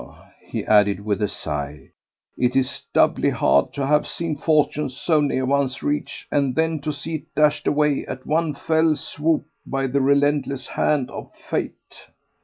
he added with a sigh, "it is doubly hard to have seen fortune so near one's reach and then to see it dashed away at one fell swoop by the relentless hand of Fate."